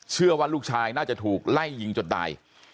เชื่อว่าลูกชายน่าจะถูกไล่ยิงจนตาย